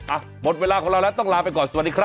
อ่ะหมดเวลาของเราแล้วต้องลาไปก่อนสวัสดีครับ